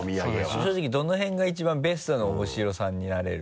正直どの辺が一番ベストの大城さんになれる？